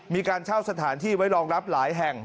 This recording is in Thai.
มีการเช่าสถานที่ไว้รองรับหลายแห่ง